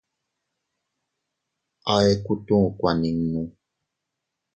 A ekutu kuaninu.